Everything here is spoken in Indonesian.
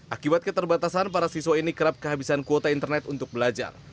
akibat keterbatasan para siswa ini kerap kehabisan kuota internet untuk belajar